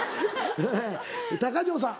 高城さん